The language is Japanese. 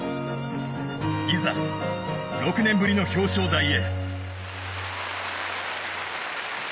いざ、６年ぶりの表彰台へ。